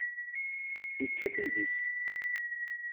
Yečča tidi-s.